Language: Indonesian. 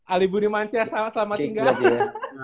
ali budimanca selamat tinggal